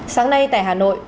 sáng nay tại hà nội